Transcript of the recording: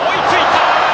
追いついた！